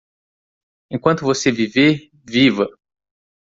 Enquanto você viver - viva!